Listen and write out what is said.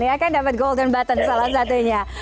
ya kan dapat golden button salah satunya